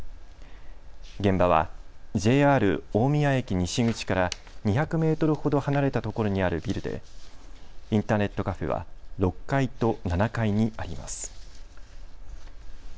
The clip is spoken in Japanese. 現場はＪＲ大宮駅西口から２００メートルほど離れたところにあるビルでインターネットカフェは６階と７階にあります。